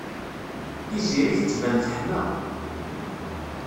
Tiziri tettban teḥma.